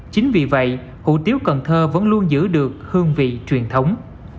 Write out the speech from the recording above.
chính vì vậy hủ tiếu cần thơ vẫn luôn giữ được hương vị truyền thống